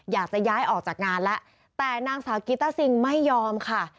อยากจะย้ายออกจากงานแล้วแต่นางสาวกีต้าซิงไม่ยอมค่ะ